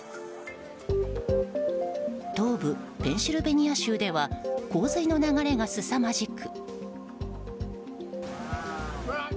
東部ペンシルベニア州では洪水の流れがすさまじく。